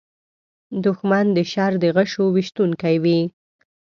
دښمن د شر د غشو ویشونکی وي